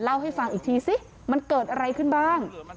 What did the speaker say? เล่าให้ฟังอีกทีสิมันเกิดอะไรขึ้นบ้าง